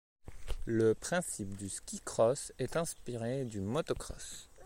Le principe du ski cross est inspiré du moto cross.